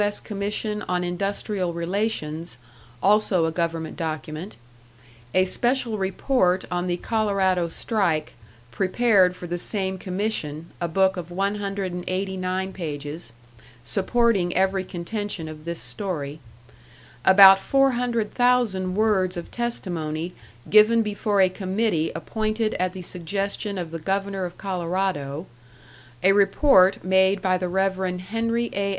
S. Commission on Industrial Relations, also a government document; a special report on the Colorado strike, prepared for the same commission, a book of 189 pages, supporting every contention of this story; about four hundred thousand words of testimony given before a committee appointed at the suggestion of the Governor of Colorado; a report made by the Rev. Henry A.